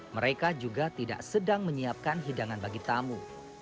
mereka juga tidak sedang menyiapkan hidangan bagi tamu